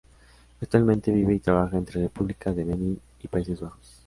Actualmente vive y trabaja entre República de Benín y Países Bajos.